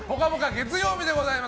月曜日でございます。